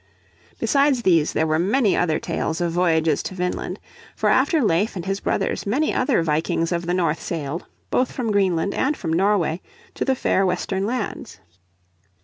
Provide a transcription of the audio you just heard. Besides these there were many other tales of voyages to Vineland. For after Leif and his brothers many other Vikings of the North sailed, both from Greenland and from Norway, to the fair western lands.